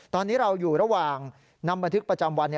ตอนนี้เราอยู่ระหว่างนำบันทึกประจำวัน